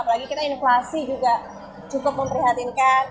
apalagi kita inflasi juga cukup memprihatinkan